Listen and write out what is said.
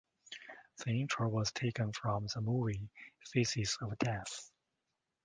The intro was taken from the movie "Faces of Death".